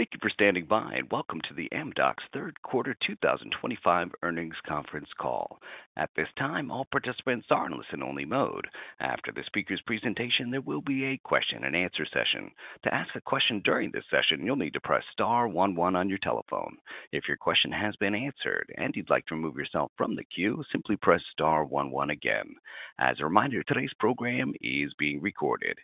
Thank you for standing by and welcome to the Amdocs Third Quarter 2025 Earnings Conference Call. At this time, all participants are in listen-only mode. After the speaker's presentation, there will be a question and answer session. To ask a question during this session, you'll need to press star one one on your telephone. If your question has been answered and you'd like to remove yourself from the queue, simply press star one one again. As a reminder, today's program is being recorded.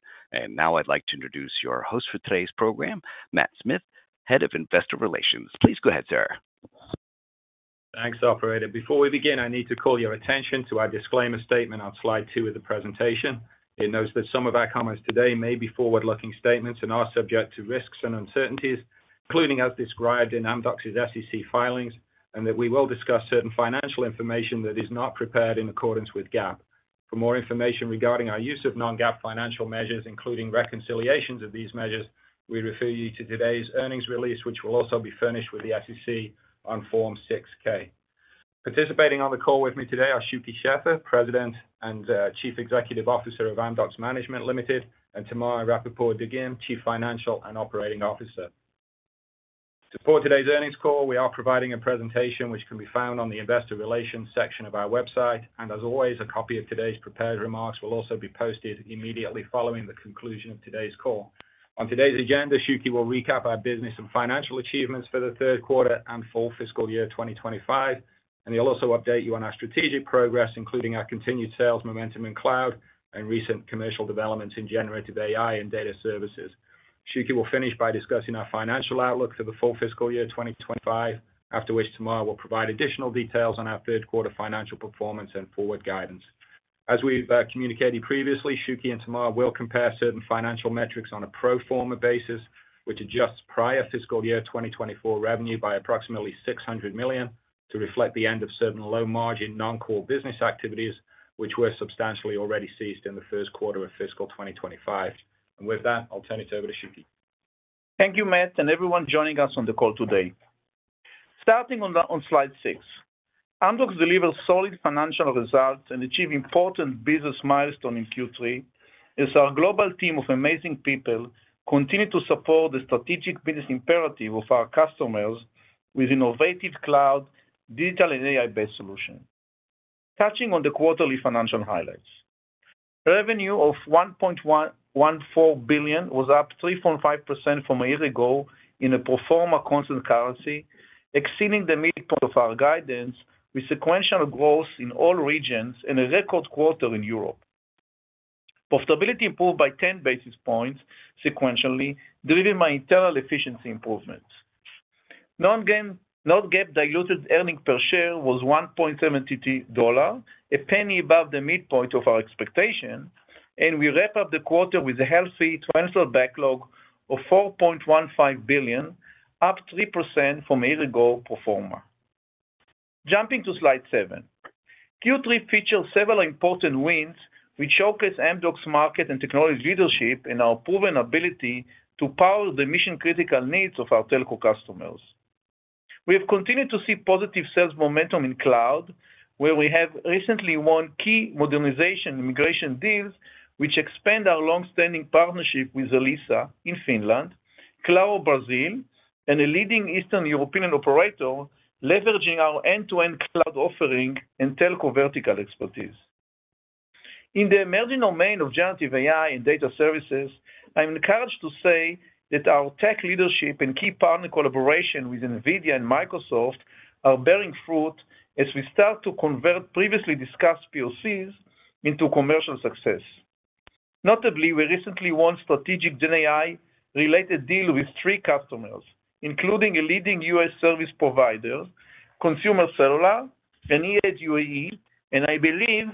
Now I'd like to introduce your host for today's program, Matt Smith, Head of Investor Relations. Please go ahead, sir. Thanks, Operator. Before we begin, I need to call your attention to our disclaimer statement on slide two of the presentation. It notes that some of our comments today may be forward-looking statements and are subject to risks and uncertainties, including as described in Amdocs' SEC filings, and that we will discuss certain financial information that is not prepared in accordance with GAAP. For more information regarding our use of non-GAAP financial measures, including reconciliations of these measures, we refer you to today's earnings release, which will also be furnished with the SEC on Form 6-K. Participating on the call with me today are Shuky Sheffer, President and Chief Executive Officer of Amdocs Management Ltd, and Tamar Rapaport-Dagim, Chief Financial and Operating Officer. To support today's earnings call, we are providing a presentation which can be found on the Investor Relations section of our website, and as always, a copy of today's prepared remarks will also be posted immediately following the conclusion of today's call. On today's agenda, Shuky will recap our business and financial achievements for the third quarter and full fiscal year 2025, and he'll also update you on our strategic progress, including our continued sales momentum in cloud and recent commercial developments in generative AI and data services. Shuky will finish by discussing our financial outlook for the full fiscal year 2025, after which Tamar will provide additional details on our third quarter financial performance and forward guidance. As we've communicated previously, Shuky and Tamar will compare certain financial metrics on a pro forma basis, which adjusts prior fiscal year 2024 revenue by approximately $600 million to reflect the end of certain low-margin non-core business activities, which were substantially already ceased in the first quarter of fiscal 2025. With that, I'll turn it over to Shuky. Thank you, Matt, and everyone joining us on the call today. Starting on slide six, Amdocs delivers solid financial results and achieved important business milestones in Q3 as our global team of amazing people continues to support the strategic business imperative of our customers with innovative cloud, digital, and AI-based solutions. Touching on the quarterly financial highlights, revenue of $1.14 billion was up 3.5% from a year ago in a pro forma constant currency, exceeding the midpoint of our guidance with sequential growth in all regions and a record quarter in Europe. Profitability improved by 10 basis points sequentially, driven by internal efficiency improvements. Non-GAAP diluted earnings per share was $1.72, a penny above the midpoint of our expectation, and we wrap up the quarter with a healthy financial backlog of $4.15 billion, up 3% from a year ago pro forma. Jumping to slide seven, Q3 featured several important wins, which showcase Amdocs' market and technology leadership and our proven ability to power the mission-critical needs of our telco customers. We've continued to see positive sales momentum in cloud, where we have recently won key modernization and migration deals, which expand our longstanding partnership with Elisa in Finland, Cloud Brasil, and a leading Eastern European operator, leveraging our end-to-end cloud offering and telco vertical expertise. In the emerging domain of generative AI and data services, I'm encouraged to say that our tech leadership and key partner collaboration with NVIDIA and Microsoft are bearing fruit as we start to convert previously discussed POCs into commercial success. Notably, we recently won strategic GenAI-related deals with three customers, including a leading U.S. service provider, Consumer Cellular, and e& UAE, and I believe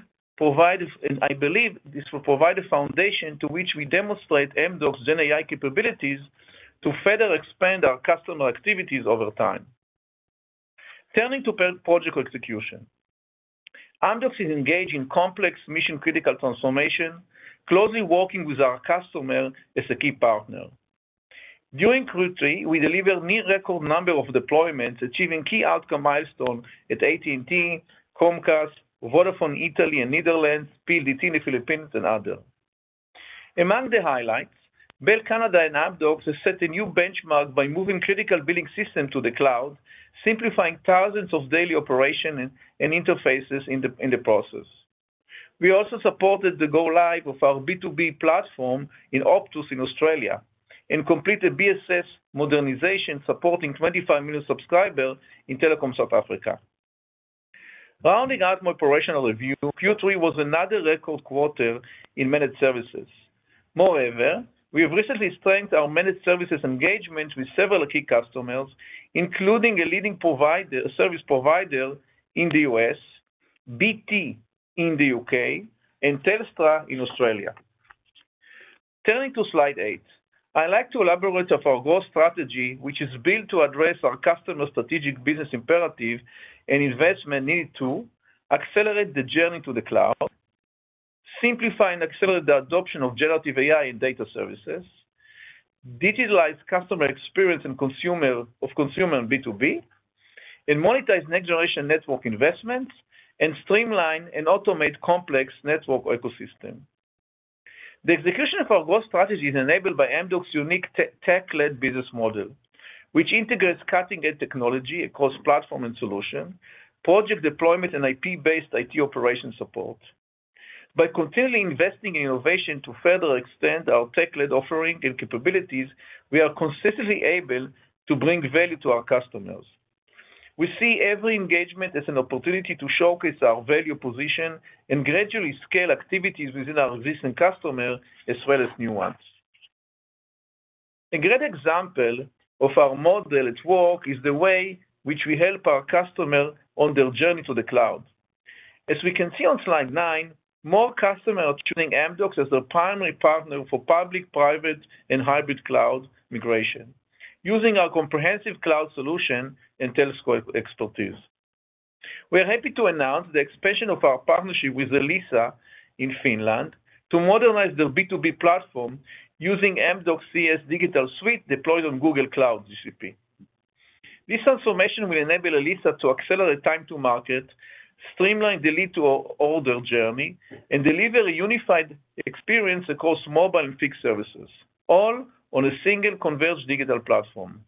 this will provide a foundation to which we demonstrate Amdocs' GenAI capabilities to further expand our customer activities over time. Turning to project execution, Amdocs is engaged in complex mission-critical transformation, closely working with our customer as a key partner. During Q3, we delivered a new record number of deployments, achieving key outcome milestones at AT&T, Comcast, Vodafone Italy and Netherlands, PLDT in the Philippines, and others. Among the highlights, Bell Canada and Amdocs have set a new benchmark by moving critical billing systems to the cloud, simplifying thousands of daily operations and interfaces in the process. We also supported the go-live of our B2B platform in Optus in Australia and completed BSS modernization, supporting 25 million subscribers in Telecom South Africa. Rounding out my operational review, Q3 was another record quarter in managed services. Moreover, we've recently strengthened our managed services engagement with several key customers, including a leading service provider in the U.S., BT in the U.K., and Telstra in Australia. Turning to slide eight, I'd like to elaborate on our growth strategy, which is built to address our customers' strategic business imperative and investment needed to accelerate the journey to the cloud, simplify and accelerate the adoption of generative AI and data services, digitalize customer experience of consumer and B2B, and monetize next-generation network investments and streamline and automate complex network ecosystems. The execution of our growth strategy is enabled by Amdocs' unique tech-led business model, which integrates cutting-edge technology across platform and solution, project deployment, and IP-based IT operation support. By continually investing in innovation to further extend our tech-led offering and capabilities, we are consistently able to bring value to our customers. We see every engagement as an opportunity to showcase our value position and gradually scale activities within our existing customers as well as new ones. A great example of our model at work is the way in which we help our customers on their journey to the cloud. As we can see on slide nine, more customers are choosing Amdocs as their primary partner for public, private, and hybrid cloud migration, using our comprehensive cloud solution and telescope expertise. We're happy to announce the expansion of our partnership with Elisa in Finland to modernize their B2B platform using Amdocs' CES digital suite deployed on Google Cloud GCP. This transformation will enable Elisa to accelerate time-to-market, streamline the lead-to-order journey, and deliver a unified experience across mobile and fixed services, all on a single converged digital platform.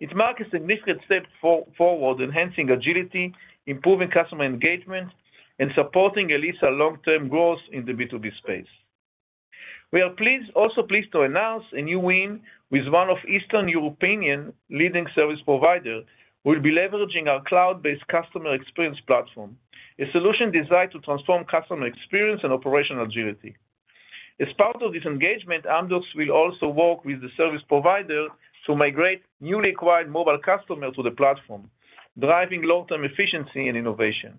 It marks a significant step forward, enhancing agility, improving customer engagement, and supporting Elisa's long-term growth in the B2B space. We are also pleased to announce a new win with one of Eastern Europe's leading service providers who will be leveraging our cloud-based customer experience platform, a solution designed to transform customer experience and operational agility. As part of this engagement, Amdocs will also work with the service provider to migrate newly acquired mobile customers to the platform, driving long-term efficiency and innovation.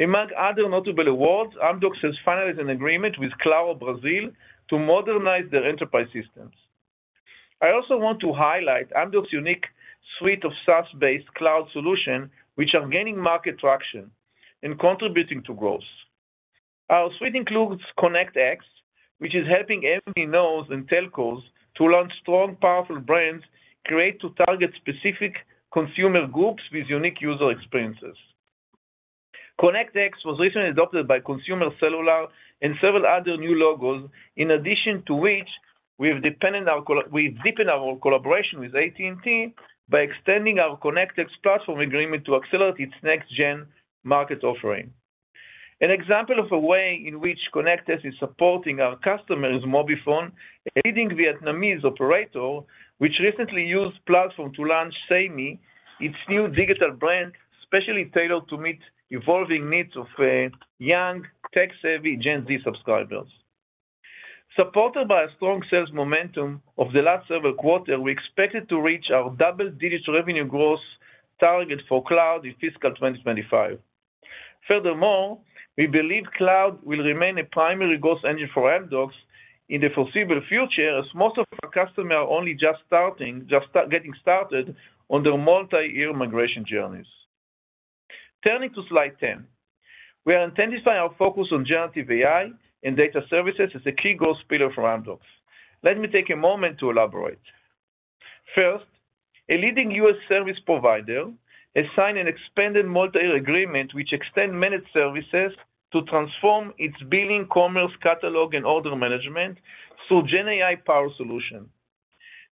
Among other notable awards, Amdocs has finalized an agreement with Cloud Brasil to modernize their enterprise systems. I also want to highlight Amdocs' unique suite of SaaS-based cloud solutions, which are gaining market traction and contributing to growth. Our suite includes ConnectX, which is helping MVNOs and telcos to launch strong, powerful brands created to target specific consumer groups with unique user experiences. ConnectX was recently adopted by Consumer Cellular and several other new logos, in addition to which we've deepened our collaboration with AT&T by extending our ConnectX platform agreement to accelerate its next-gen market offering. An example of a way in which ConnectX is supporting our customers is Mobifone, a leading Vietnamese operator, which recently used the platform to launch SAIME, its new digital brand, specially tailored to meet the evolving needs of young, tech-savvy Gen Z subscribers. Supported by a strong sales momentum of the last several quarters, we're expected to reach our double-digit revenue growth target for cloud in fiscal 2025. Furthermore, we believe cloud will remain a primary growth engine for Amdocs in the foreseeable future, as most of our customers are only just getting started on their multi-year migration journeys. Turning to slide 10, we are intensifying our focus on generative AI and data services as a key growth pillar for Amdocs. Let me take a moment to elaborate. First, a leading U.S. service provider has signed an expanded multi-year agreement which extends managed services to transform its billing, commerce, catalog, and order management through GenAI-powered solutions.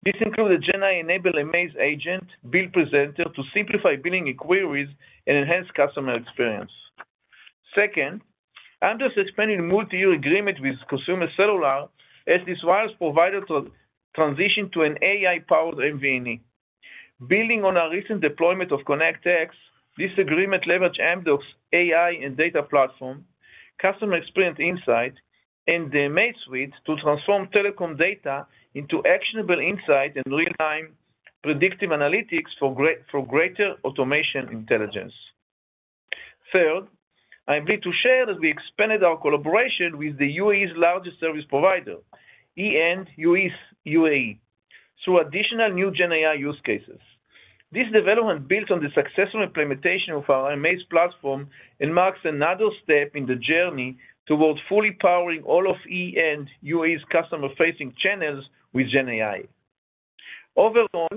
This includes a GenAI-enabled Amaze agent, bill presenter to simplify billing queries and enhance customer experience. Second, Amdocs is expanding a multi-year agreement with Consumer Cellular as this wireless provider transitions to an AI-powered MVNE. Building on our recent deployment of ConnectX, this agreement leverages Amdocs' AI and data platform, customer experience insight, and the Amaze suite to transform telecom data into actionable insights and real-time predictive analytics for greater automation intelligence. Third, I'm pleased to share that we expanded our collaboration with the UAE's largest service provider, e& UAE, through additional new GenAI use cases. This development is built on the successful implementation of our Amaze platform and marks another step in the journey towards fully powering all of e& UAE's customer-facing channels with GenAI. Overall,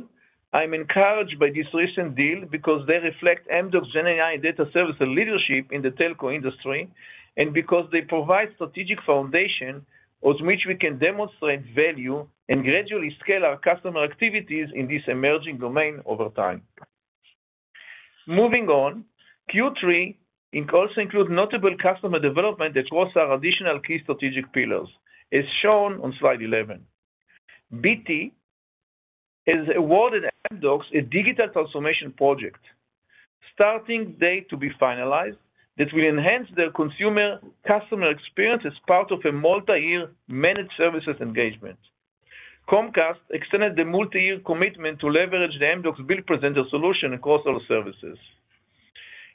I'm encouraged by this recent deal because they reflect Amdocs' GenAI data services leadership in the telco industry and because they provide a strategic foundation on which we can demonstrate value and gradually scale our customer activities in this emerging domain over time. Moving on, Q3 also includes notable customer development that was our additional key strategic pillars, as shown on slide 11. BT has awarded Amdocs a digital transformation project, starting date to be finalized, that will enhance their consumer customer experience as part of a multi-year managed services engagement. Comcast extended the multi-year commitment to leverage the Amdocs bill presenter solution across all services.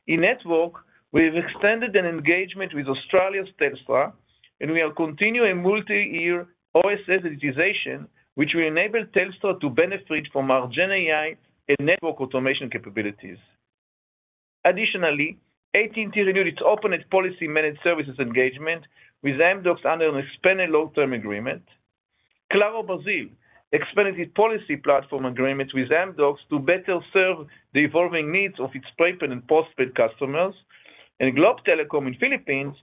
In network, we've extended an engagement with Australia's Telstra, and we are continuing a multi-year OSA digitization, which will enable Telstra to benefit from our GenAI and network automation capabilities. Additionally, AT&T renewed its open-end policy managed services engagement with Amdocs under an expanded long-term agreement. Cloud Brasil expanded its policy platform agreement with Amdocs to better serve the evolving needs of its prepaid and postpaid customers, and Globe Telecom in the Philippines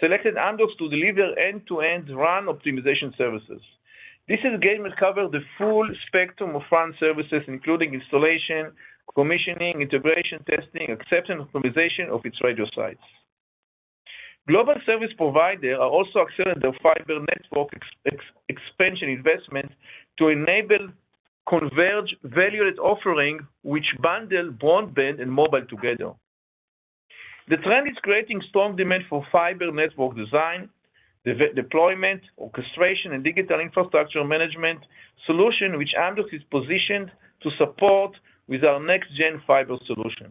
selected Amdocs to deliver end-to-end run optimization services. This engagement covers the full spectrum of run services, including installation, commissioning, integration, testing, acceptance, and optimization of its radio sites. Global service providers are also accelerating their fiber network expansion investments to enable converged value-added offerings, which bundle broadband and mobile together. The trend is creating strong demand for fiber network design, the deployment, orchestration, and digital infrastructure management solutions, which Amdocs is positioned to support with our next-gen fiber solution.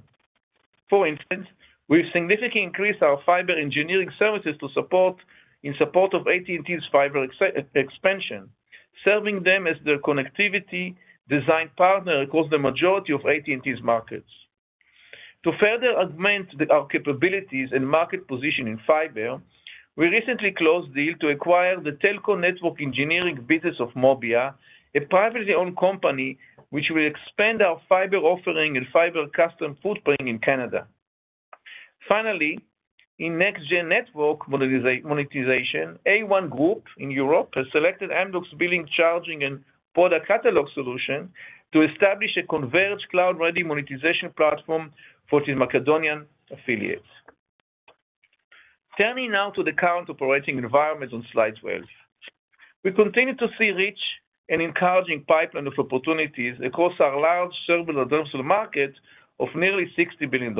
For instance, we've significantly increased our fiber engineering services to support in support of AT&T's fiber expansion, serving them as their connectivity design partner across the majority of AT&T's markets. To further augment our capabilities and market position in fiber, we recently closed a deal to acquire the telco network engineering business of Mobia, a privately owned company, which will expand our fiber offering and fiber customer footprint in Canada. Finally, in next-gen network monetization, A1 Group in Europe has selected Amdocs' billing, charging, and product catalog solutions to establish a converged cloud-ready monetization platform for its Macedonian affiliates. Turning now to the current operating environment on slide 12, we continue to see a rich and encouraging pipeline of opportunities across our large server and adoption market of nearly $60 billion.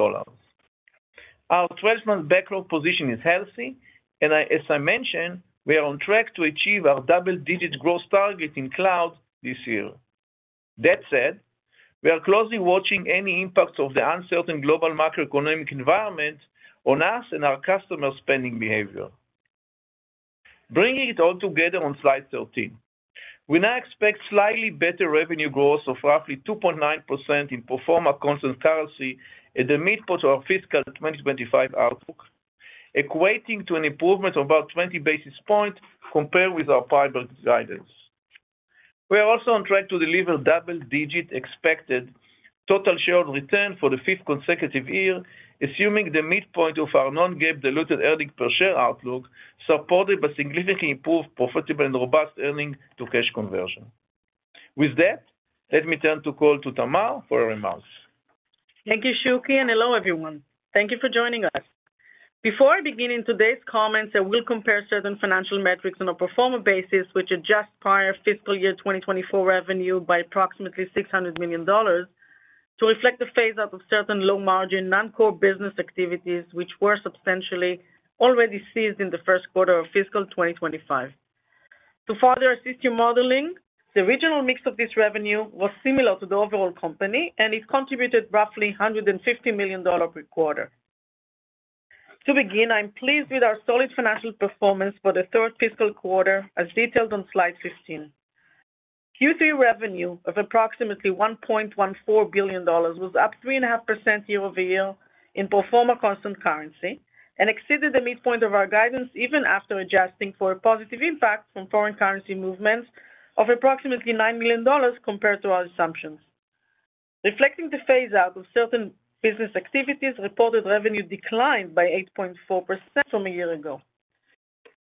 Our 12-month backlog position is healthy, and as I mentioned, we are on track to achieve our double-digit growth target in cloud this year. That said, we are closely watching any impacts of the uncertain global macroeconomic environment on us and our customer spending behavior. Bringing it all together on slide 13, we now expect slightly better revenue growth of roughly 2.9% in pro forma constant currency at the midpoint of our fiscal 2025 outlook, equating to an improvement of about 20 basis points compared with our prior guidance. We're also on track to deliver double-digit expected total shareholder return for the fifth consecutive year, assuming the midpoint of our non-GAAP diluted earnings per share outlook, supported by significantly improved profitable and robust earnings to cash conversion. With that, let me turn the call to Tamar for her remarks. Thank you, Shuky, and hello, everyone. Thank you for joining us. Before I begin, in today's comments, I will compare certain financial metrics on a pro forma basis, which adjust prior fiscal year 2024 revenue by approximately $600 million to reflect the phase-out of certain low-margin non-core business activities, which were substantially already ceased in the first quarter of fiscal 2025. To further assist your modeling, the regional mix of this revenue was similar to the overall company, and it contributed roughly $150 million per quarter. To begin, I'm pleased with our solid financial performance for the third fiscal quarter, as detailed on slide 15. Q3 revenue of approximately $1.14 billion was up 3.5% year-over-year in pro forma constant currency and exceeded the midpoint of our guidance, even after adjusting for a positive impact from foreign currency movements of approximately $9 million compared to our assumptions. Reflecting the phase-out of certain business activities, reported revenue declined by 8.4% from a year ago.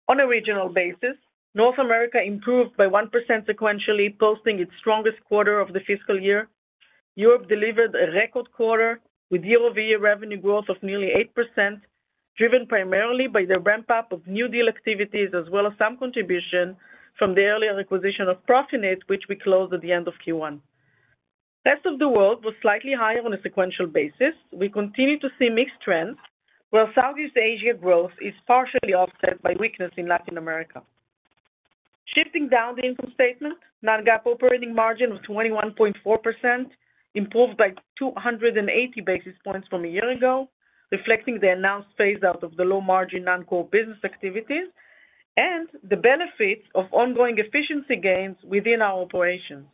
On a regional basis, North America improved by 1% sequentially, posting its strongest quarter of the fiscal year. Europe delivered a record quarter with year-over-year revenue growth of nearly 8%, driven primarily by the ramp-up of new deal activities, as well as some contribution from the earlier acquisition of Profinet, which we closed at the end of Q1. The rest of the world was slightly higher on a sequential basis. We continue to see mixed trends, whereas Southeast Asia growth is partially offset by weakness in Latin America. Shifting down the income statement, non-GAAP operating margin was 21.4%, improved by 280 basis points from a year ago, reflecting the announced phase-out of the low-margin non-core business activities and the benefits of ongoing efficiency gains within our operations.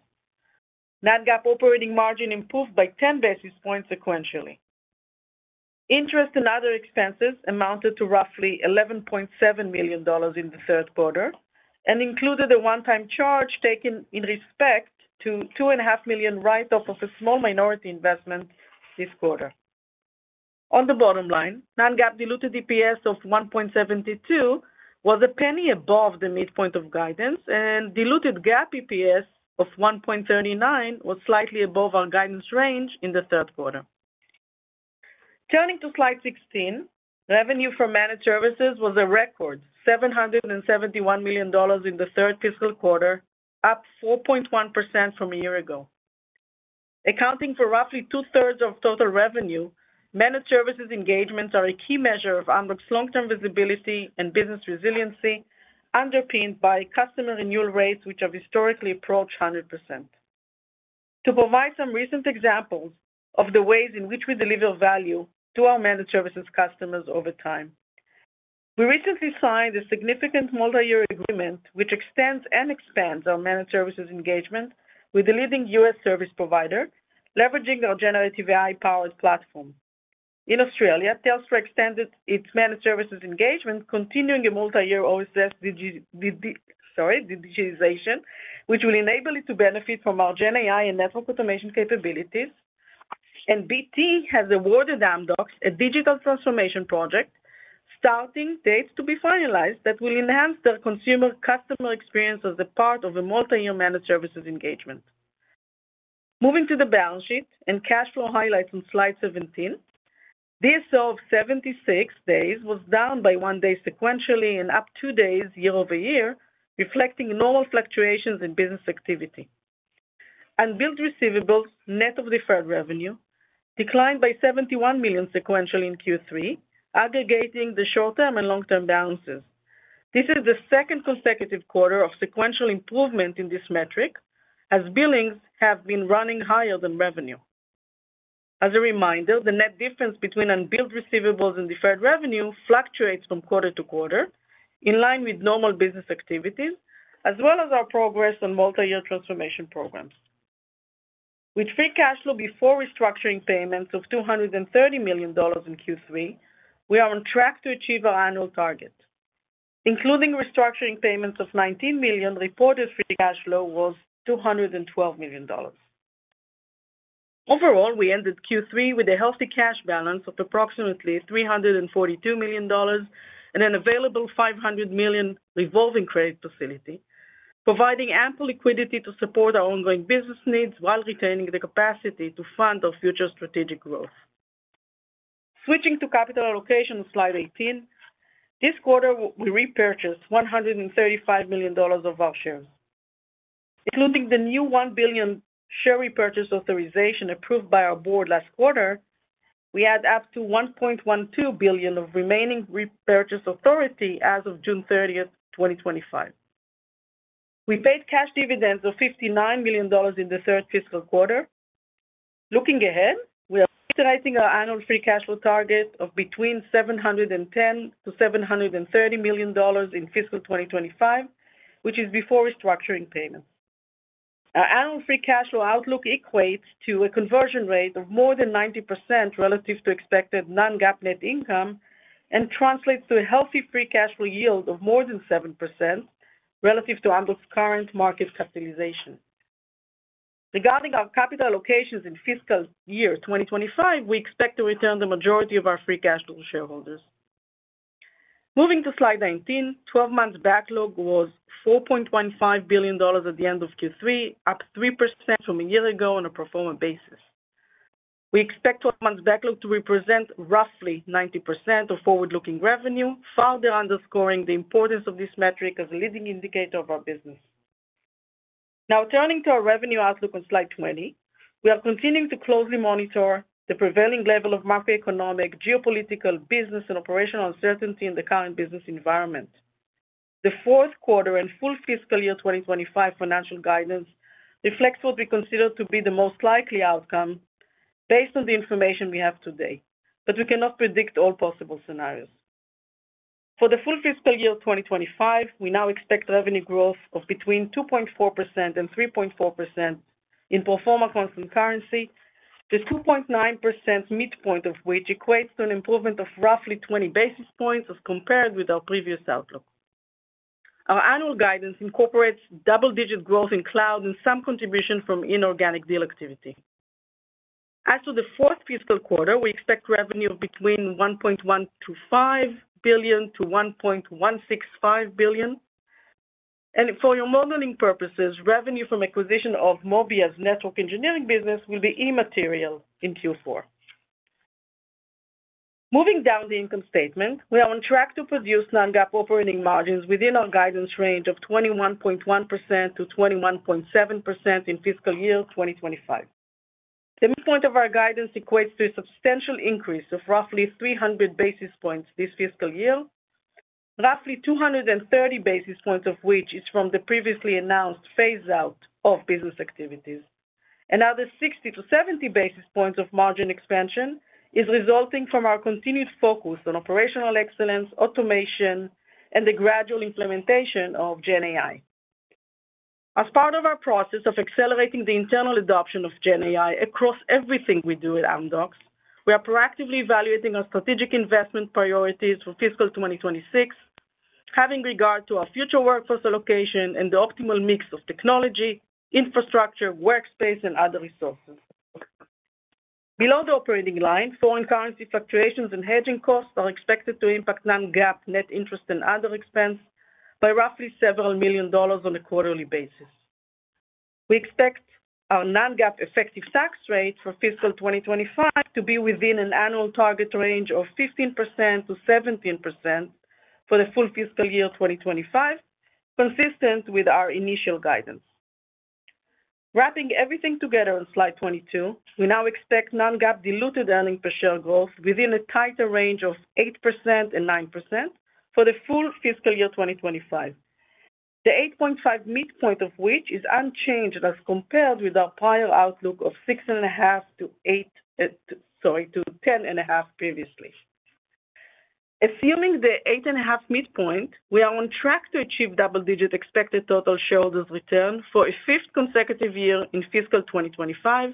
Non-GAAP operating margin improved by 10 basis points sequentially. Interest and other expenses amounted to roughly $11.7 million in the third quarter and included a one-time charge taken in respect to a $2.5 million write-off of a small minority investment this quarter. On the bottom line, non-GAAP diluted EPS of $1.72 was a penny above the midpoint of guidance, and diluted GAAP EPS of $1.39 was slightly above our guidance range in the third quarter. Turning to slide 16, revenue from managed services was a record $771 million in the third fiscal quarter, up 4.1% from a year ago. Accounting for roughly two-thirds of total revenue, managed services engagements are a key measure of Amdocs' long-term visibility and business resiliency, underpinned by customer renewal rates, which have historically approached 100%. To provide some recent examples of the ways in which we deliver value to our managed services customers over time, we recently signed a significant multi-year agreement, which extends and expands our managed services engagement with a leading U.S. service provider, leveraging our generative AI-powered platform. In Australia, Telstra extended its managed services engagement, continuing a multi-year OSS digitization, which will enable it to benefit from our GenAI and network automation capabilities. BT has awarded Amdocs a digital transformation project, starting date to be finalized, that will enhance their consumer customer experience as a part of a multi-year managed services engagement. Moving to the balance sheet and cash flow highlights on slide 17, the SO of 76 days was down by one day sequentially and up two days year-over-year, reflecting normal fluctuations in business activity. Unbilled receivables net of deferred revenue declined by $71 million sequentially in Q3, aggregating the short-term and long-term balances. This is the second consecutive quarter of sequential improvement in this metric, as billings have been running higher than revenue. As a reminder, the net difference between unbilled receivables and deferred revenue fluctuates from quarter to quarter, in line with normal business activities, as well as our progress on multi-year transformation programs. With free cash flow before restructuring payments of $230 million in Q3, we are on track to achieve our annual target, including restructuring payments of $19 million. Reported free cash flow was $212 million. Overall, we ended Q3 with a healthy cash balance of approximately $342 million and an available $500 million revolving credit facility, providing ample liquidity to support our ongoing business needs while retaining the capacity to fund our future strategic growth. Switching to capital allocation on slide 18, this quarter we repurchased $135 million of our shares. Including the new $1 billion share repurchase authorization approved by our board last quarter, we had up to $1.12 billion of remaining repurchase authority as of June 30, 2025. We paid cash dividends of $59 million in the third fiscal quarter. Looking ahead, we are reiterating our annual free cash flow target of between $710 million-$730 million in fiscal 2025, which is before restructuring payments. Our annual free cash flow outlook equates to a conversion rate of more than 90% relative to expected non-GAAP net income and translates to a healthy free cash flow yield of more than 7% relative to Amdocs' current market capitalization. Regarding our capital allocations in fiscal year 2025, we expect to return the majority of our free cash flow to shareholders. Moving to slide 19, 12-month backlog was $4.15 billion at the end of Q3, up 3% from a year ago on a pro forma basis. We expect 12-month backlog to represent roughly 90% of forward-looking revenue, further underscoring the importance of this metric as a leading indicator of our business. Now, turning to our revenue outlook on slide 20, we are continuing to closely monitor the prevailing level of macroeconomic, geopolitical, business, and operational uncertainty in the current business environment. The fourth quarter and full fiscal year 2025 financial guidance reflects what we consider to be the most likely outcome based on the information we have today, but we cannot predict all possible scenarios. For the full fiscal year 2025, we now expect revenue growth of between 2.4% and 3.4% in pro forma constant currency, the 2.9% midpoint of which equates to an improvement of roughly 20 basis points as compared with our previous outlook. Our annual guidance incorporates double-digit growth in cloud and some contribution from inorganic deal activity. As for the fourth fiscal quarter, we expect revenue of between $1.125 billion-$1.165 billion. For your modeling purposes, revenue from acquisition of Mobia's network engineering business will be immaterial in Q4. Moving down the income statement, we are on track to produce non-GAAP operating margins within our guidance range of 21.1%-21.7% in fiscal year 2025. The midpoint of our guidance equates to a substantial increase of roughly 300 basis points this fiscal year, roughly 230 basis points of which is from the previously announced phase-out of business activities. Another 60 basis points-70 basis points of margin expansion is resulting from our continued focus on operational excellence, automation, and the gradual implementation of GenAI. As part of our process of accelerating the internal adoption of GenAI across everything we do at Amdocs, we are proactively evaluating our strategic investment priorities for fiscal 2026, having regard to our future workforce allocation and the optimal mix of technology, infrastructure, workspace, and other resources. Below the operating line, foreign currency fluctuations and hedging costs are expected to impact non-GAAP net interest and other expense by roughly several million dollars on a quarterly basis. We expect our non-GAAP effective tax rate for fiscal 2025 to be within an annual target range of 15%-17% for the full fiscal year 2025, consistent with our initial guidance. Wrapping everything together on slide 22, we now expect non-GAAP diluted earnings per share growth within a tighter range of 8% and 9% for the full fiscal year 2025, the 8.5% midpoint of which is unchanged as compared with our prior outlook of 6.5%-10.5% previously. Assuming the 8.5% midpoint, we are on track to achieve double-digit expected total shareholders' return for a fifth consecutive year in fiscal 2025,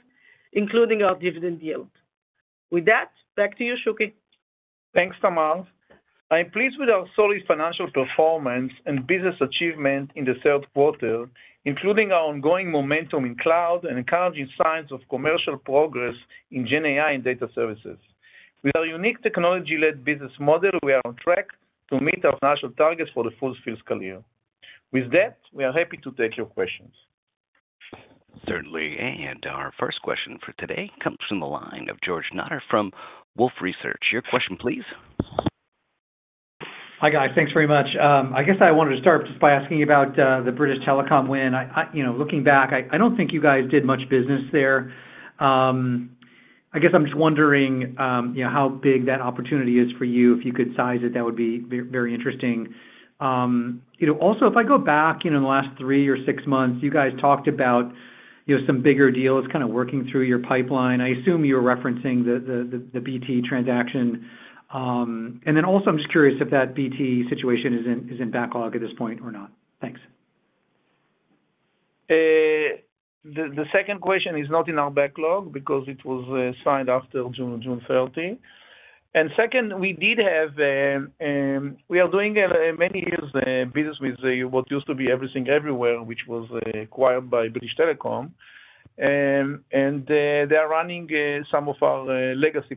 including our dividend yield. With that, back to you, Shuky. Thanks, Tamar. I'm pleased with our solid financial performance and business achievement in the third quarter, including our ongoing momentum in cloud and encouraging signs of commercial progress in GenAI and data services. With our unique technology-led business model, we are on track to meet our national targets for the full fiscal year. With that, we are happy to take your questions. Certainly. Our first question for today comes from the line of George Notter from Wolfe Research. Your question, please. Hi, Guy. Thanks very much. I guess I wanted to start just by asking you about the British Telecom win. Looking back, I don't think you guys did much business there. I guess I'm just wondering how big that opportunity is for you. If you could size it, that would be very interesting. Also, if I go back in the last three or six months, you guys talked about some bigger deals kind of working through your pipeline. I assume you were referencing the BT transaction. I'm just curious if that BT situation is in backlog at this point or not. Thanks. The second question is not in our backlog because it was signed after June 30. We did have, we are doing many years business with what used to be Everything Everywhere, which was acquired by British Telecom. They are running some of our legacy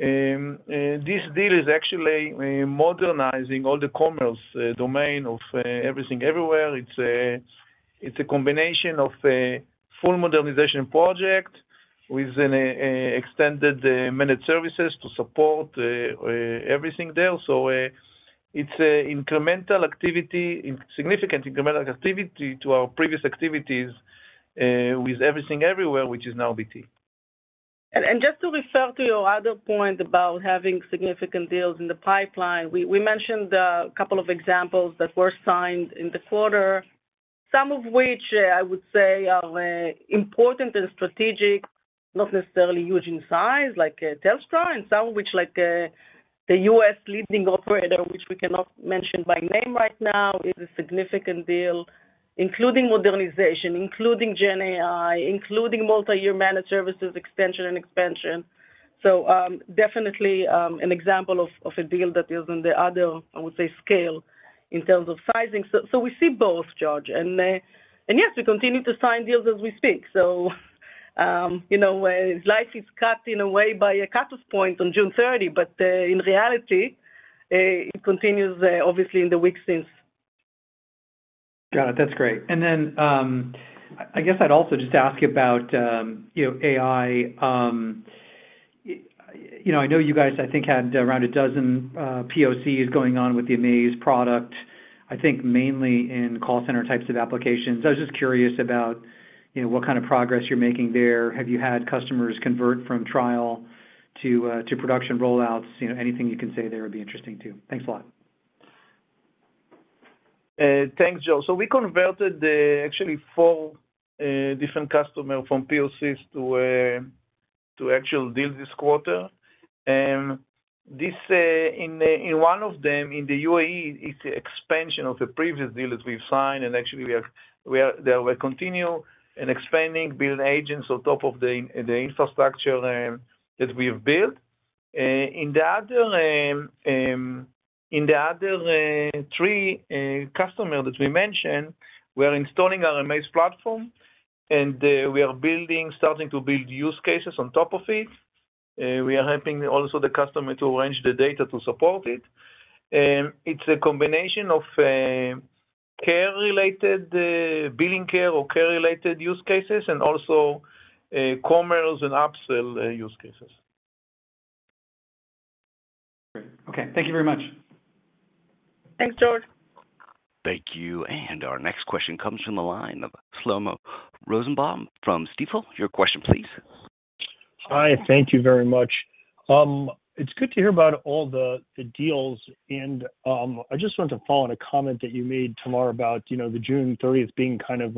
platforms. This deal is actually modernizing all the commerce domain of Everything Everywhere. It's a combination of a full modernization project with extended managed services to support everything there. It's an incremental activity, significant incremental activity to our previous activities with Everything Everywhere, which is now BT. To refer to your other point about having significant deals in the pipeline, we mentioned a couple of examples that were signed in the quarter, some of which I would say are important and strategic, not necessarily huge in size, like Telstra, and some of which, like the U.S. leading operator, which we cannot mention by name right now, is a significant deal, including modernization, including GenAI, including multi-year managed services extension and expansion. Definitely an example of a deal that is on the other, I would say, scale in terms of sizing. We see both, George. Yes, we continue to sign deals as we speak. It's likely it's cut in a way by a cut-off point on June 30, but in reality, it continues obviously in the weeks since. Got it. That's great. I guess I'd also just ask about AI. I know you guys, I think, had around a dozen POCs going on with the Amaze product, I think mainly in call center types of applications. I was just curious about what kind of progress you're making there. Have you had customers convert from trial to production rollouts? Anything you can say there would be interesting too. Thanks a lot. Thanks, Joe. We converted actually four different customers from proof-of-concept to actual deals this quarter. In one of them, in the UAE, it's an expansion of a previous deal that we've signed. They will continue expanding, building agents on top of the infrastructure that we have built. In the other three customers that we mentioned, we are installing our Amaze platform, and we are starting to build use cases on top of it. We are helping also the customer to arrange the data to support it. It's a combination of billing care or care-related use cases and also commerce and upsell use cases. Great. Okay. Thank you very much. Thanks, George. Thank you. Our next question comes from the line of Shlomo Rosenbaum from Stifel. Your question, please. Hi. Thank you very much. It's good to hear about all the deals. I just wanted to follow on a comment that you made, Tamar, about the June 30th being kind of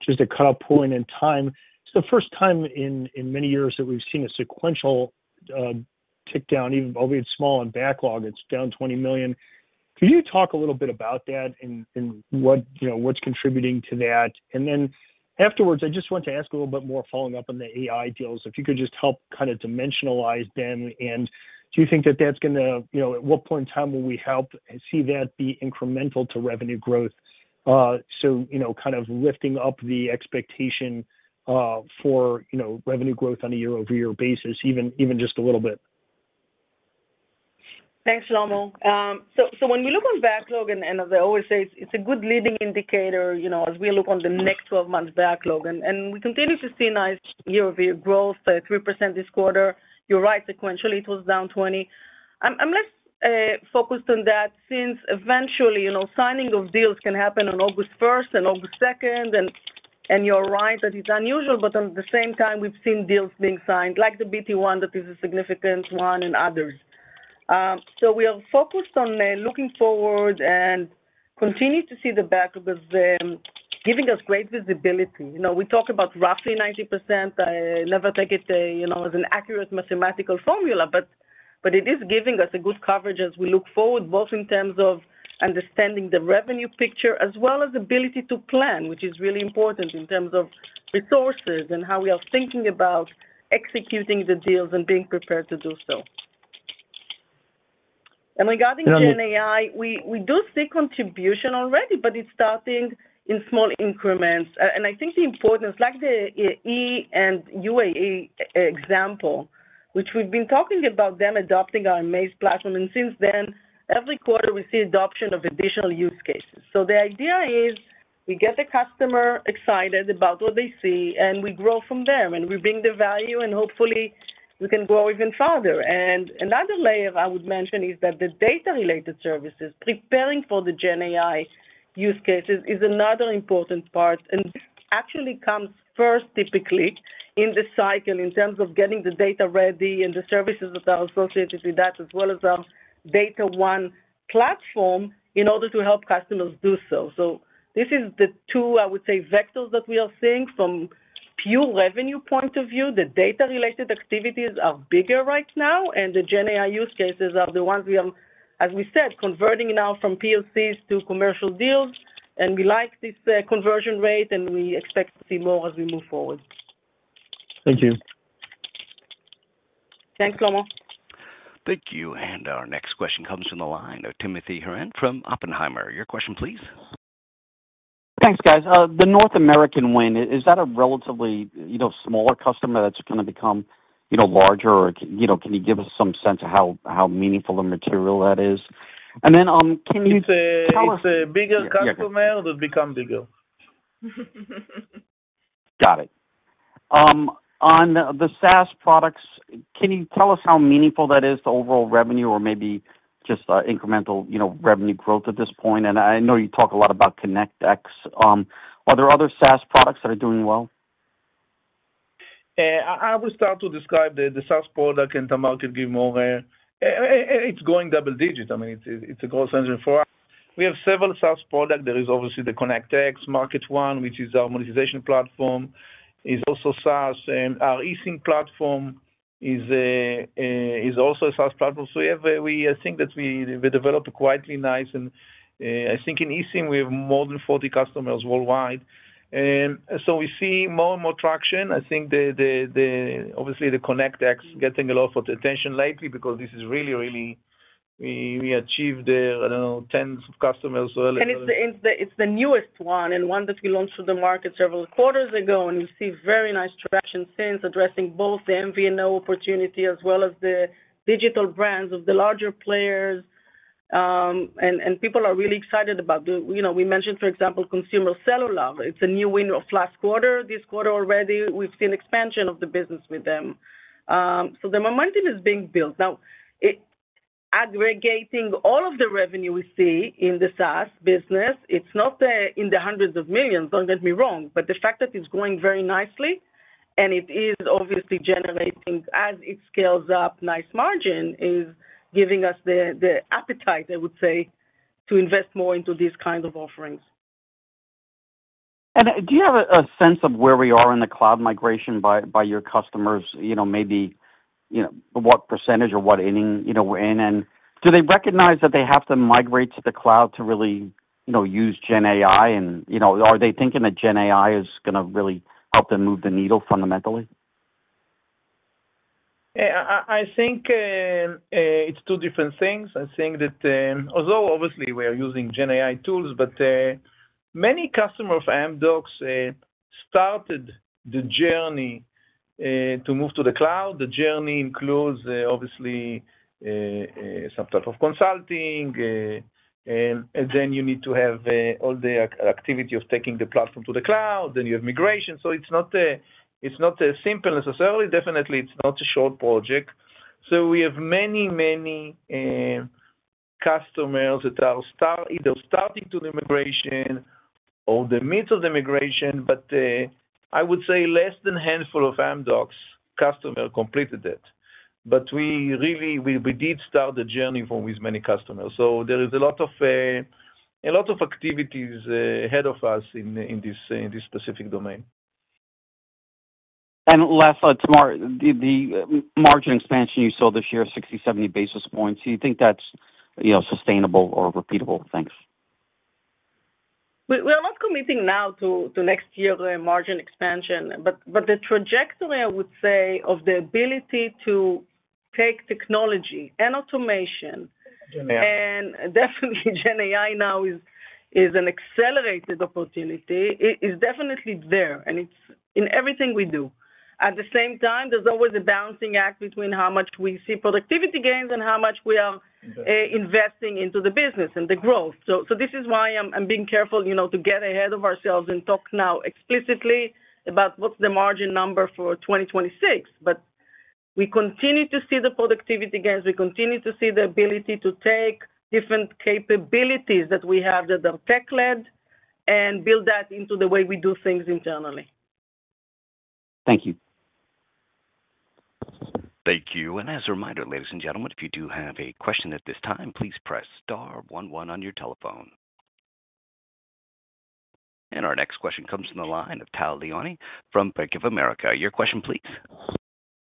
just a cutoff point in time. It's the first time in many years that we've seen a sequential tick down, even albeit small, on backlog. It's down $20 million. Could you talk a little bit about that and what's contributing to that? Afterwards, I just want to ask a little bit more following up on the AI deals, if you could just help kind of dimensionalize them. Do you think that that's going to, you know, at what point in time will we help see that be incremental to revenue growth? You know, kind of lifting up the expectation for, you know, revenue growth on a year-over-year basis, even just a little bit. Thanks, Shlomo. When we look on backlog, and as I always say, it's a good leading indicator, you know, as we look on the next 12 months backlog. We continue to see nice year-over-year growth, 3% this quarter. You're right, sequentially, it was down 20. I'm less focused on that since eventually, you know, signing of deals can happen on August 1st and August 2nd. You're right that it's unusual, but at the same time, we've seen deals being signed, like the BT one that is a significant one and others. We are focused on looking forward and continue to see the backlog as giving us great visibility. We talk about roughly 90%. I never take it, you know, as an accurate mathematical formula, but it is giving us a good coverage as we look forward, both in terms of understanding the revenue picture as well as the ability to plan, which is really important in terms of resources and how we are thinking about executing the deals and being prepared to do so. Regarding GenAI, we do see contribution already, but it's starting in small increments. I think the importance, like the e& UAE example, which we've been talking about them adopting our Amaze platform. Since then, every quarter, we see adoption of additional use cases. The idea is we get the customer excited about what they see, and we grow from them, and we bring the value, and hopefully, we can grow even further. Another layer I would mention is that the data-related services, preparing for the GenAI use cases, is another important part and actually comes first typically in the cycle in terms of getting the data ready and the services that are associated with that, as well as our DataOne platform, in order to help customers do so. These are the two, I would say, vectors that we are seeing from a pure revenue point of view. The data-related activities are bigger right now, and the GenAI use cases are the ones we are, as we said, converting now from proof-of-concepts to commercial deals. We like this conversion rate, and we expect to see more as we move forward. Thank you. Thanks, Shlomo. Thank you. Our next question comes from the line of Timothy Horan from Oppenheimer. Your question, please. Thanks, guys. The North American win, is that a relatively smaller customer that's going to become larger? Can you give us some sense of how meaningful and material that is? Can you tell us. It's a bigger customer that's become bigger. Got it. On the SaaS products, can you tell us how meaningful that is to overall revenue or maybe just incremental revenue growth at this point? I know you talk a lot about ConnectX. Are there other SaaS products that are doing well? I would start to describe the SaaS product, and Tamar can give more. It's going double-digit. I mean, it's a growth engine for us. We have several SaaS products. There is obviously the ConnectX, MarketOne, which is our monetization platform. It's also SaaS. Our eSIM platform is also a SaaS platform. We think that we developed quite nicely. I think in eSIM, we have more than 40 customers worldwide. We see more and more traction. I think, obviously, the ConnectX is getting a lot of attention lately because this is really, really we achieved there, I don't know, tens of customers earlier. It's the newest one and one that we launched to the market several quarters ago. We've seen very nice traction since, addressing both the MVNO opportunity as well as the digital brands of the larger players. People are really excited about the, you know, we mentioned, for example, Consumer Cellular. It's a new winner of last quarter. This quarter already, we've seen expansion of the business with them. The momentum is being built. Now, aggregating all of the revenue we see in the SaaS business, it's not in the hundreds of millions, don't get me wrong, but the fact that it's growing very nicely and it is obviously generating, as it scales up, nice margin is giving us the appetite, I would say, to invest more into these kinds of offerings. Do you have a sense of where we are in the cloud migration by your customers? Maybe you know what percentage or what inning we're in. Do they recognize that they have to migrate to the cloud to really use GenAI? Are they thinking that GenAI is going to really help them move the needle fundamentally? I think it's two different things. I think that although obviously we are using GenAI tools, many customers of Amdocs started the journey to move to the cloud. The journey includes obviously some type of consulting, and then you need to have all the activity of taking the platform to the cloud. You have migration. It's not simple necessarily. Definitely, it's not a short project. We have many, many customers that are either starting the migration or in the midst of the migration. I would say less than a handful of Amdocs customers completed it. We did start the journey with many customers. There is a lot of activities ahead of us in this specific domain. Last slide, Tamar, the margin expansion you saw this year, 60, 70 basis points. Do you think that's sustainable or repeatable? Thanks? We are not committing now to next year margin expansion, but the trajectory, I would say, of the ability to take technology and automation and definitely GenAI now is an accelerated opportunity. It's definitely there, and it's in everything we do. At the same time, there's always a balancing act between how much we see productivity gains and how much we are investing into the business and the growth. This is why I'm being careful to get ahead of ourselves and talk now explicitly about what's the margin number for 2026. We continue to see the productivity gains. We continue to see the ability to take different capabilities that we have that are tech-led and build that into the way we do things internally. Thank you. Thank you. As a reminder, ladies and gentlemen, if you do have a question at this time, please press star one one on your telephone. Our next question comes from the line of Tal Liani from Bank of America. Your question, please.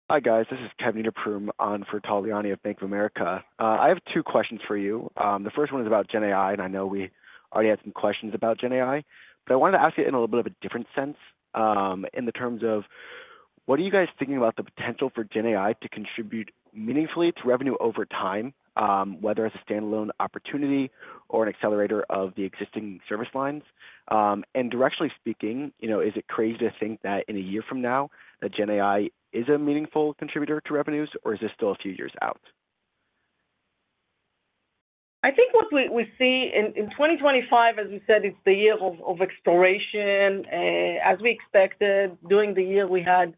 Hi, guys. This is Kevin Niederpruem for Tal Liani of Bank of America. I have two questions for you. The first one is about GenAI, and I know we already had some questions about GenAI, but I wanted to ask it in a little bit of a different sense in the terms of what are you guys thinking about the potential for GenAI to contribute meaningfully to revenue over time, whether as a standalone opportunity or an accelerator of the existing service lines? Directionally speaking, is it crazy to think that in a year from now, GenAI is a meaningful contributor to revenues, or is it still a few years out? I think what we see in 2025, as we said, it's the year of exploration. As we expected, during the year, we had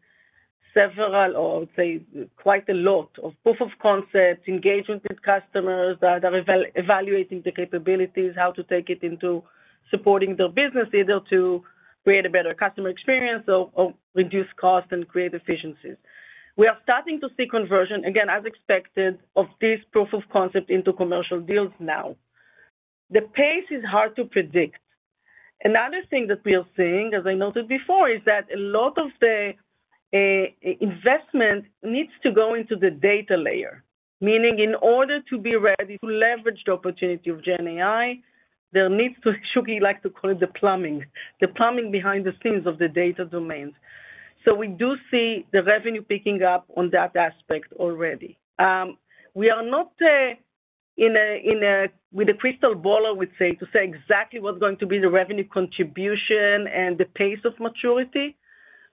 several, or I would say quite a lot of proof-of-concepts, engagement with customers that are evaluating the capabilities, how to take it into supporting their business, either to create a better customer experience or reduce cost and create efficiency. We are starting to see conversion, again, as expected, of this proof-of-concept into commercial deals now. The pace is hard to predict. Another thing that we are seeing, as I noted before, is that a lot of the investment needs to go into the data layer, meaning in order to be ready to leverage the opportunity of GenAI, there needs to, Shuky likes to call it the plumbing, the plumbing behind the scenes of the data domains. We do see the revenue picking up on that aspect already. We are not in a crystal ball, I would say, to say exactly what's going to be the revenue contribution and the pace of maturity,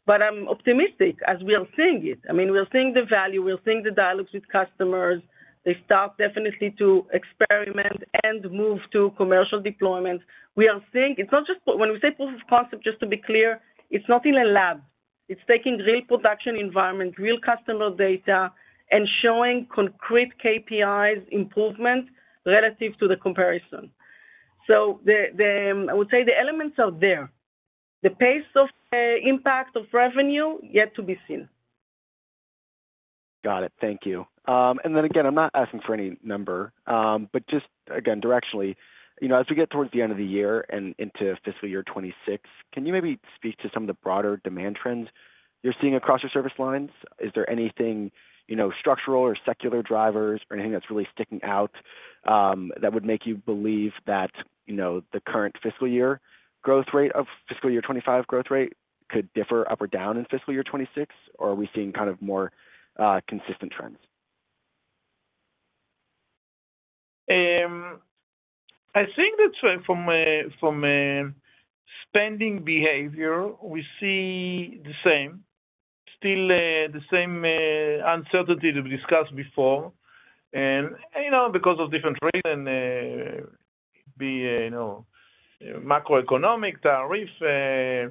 but I'm optimistic as we are seeing it. I mean, we're seeing the value. We're seeing the dialogues with customers. They start definitely to experiment and move to commercial deployment. We are seeing, it's not just when we say proof-of-concept, just to be clear, it's not in a lab. It's taking real production environments, real customer data, and showing concrete KPIs improvement relative to the comparison. I would say the elements are there. The pace of impact of revenue is yet to be seen. Got it. Thank you. I'm not asking for any number, but just again, directionally, as we get towards the end of the year and into fiscal year 2026, can you maybe speak to some of the broader demand trends you're seeing across your service lines? Is there anything structural or secular drivers or anything that's really sticking out that would make you believe that the current fiscal year growth rate or fiscal year 2025 growth rate could differ up or down in fiscal year 2026, or are we seeing kind of more consistent trends? I think that from a spending behavior, we see the same, still the same uncertainty that we discussed before, you know, because of different reasons, macroeconomic, tariff,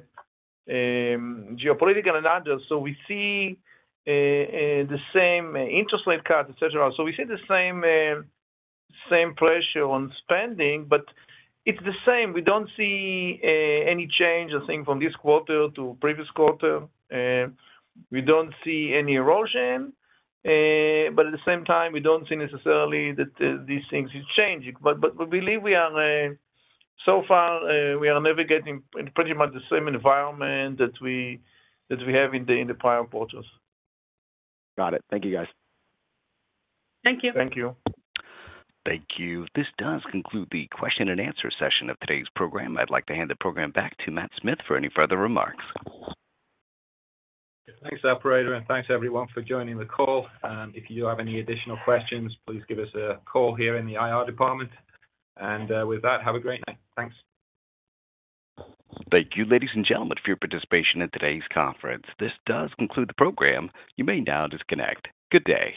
geopolitical, and others. We see the same interest rate cuts, etc. We see the same pressure on spending, but it's the same. We don't see any change, I think, from this quarter to the previous quarter. We don't see any erosion, but at the same time, we don't see necessarily that these things are changing. We believe we are, so far, we are navigating in pretty much the same environment that we have in the prior quarters. Got it. Thank you, guys. Thank you. Thank you. Thank you. This does conclude the question and answer session of today's program. I'd like to hand the program back to Matt Smith for any further remarks. Thanks, Operator, and thanks everyone for joining the call. If you do have any additional questions, please give us a call here in the IR department. With that, have a great night. Thanks. Thank you, ladies and gentlemen, for your participation in today's conference. This does conclude the program. You may now disconnect. Good day.